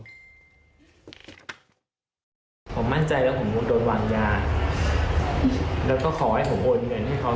ผมมั่นใจแล้วผมคงโดนวางยาแล้วก็ขอให้ผมโอนเงินให้เขา